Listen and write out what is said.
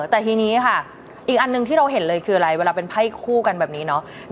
แต่ทีนี้ค่ะอีกอันหนึ่งที่เราเห็นเลยคืออะไรเวลาเป็นไพ่คู่กันแบบนี้เนาะ